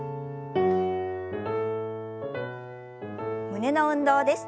胸の運動です。